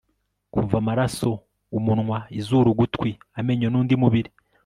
kuva amaraso, umunwa, izuru, ugutwi, amenyo nundi mubiri